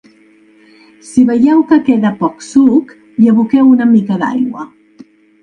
Si veieu que queda poc suc, hi aboqueu una mica d’aigua.